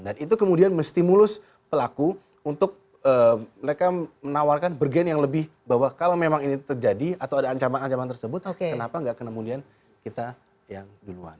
dan itu kemudian menstimulus pelaku untuk mereka menawarkan bergen yang lebih bahwa kalau memang ini terjadi atau ada ancaman ancaman tersebut kenapa enggak kemudian kita menggunuh